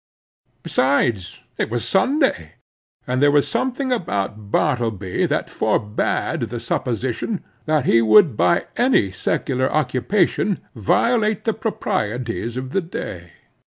Besides, it was Sunday; and there was something about Bartleby that forbade the supposition that he would by any secular occupation violate the proprieties of the day.